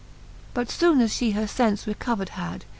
But foone as Ihe her fence recover'd had.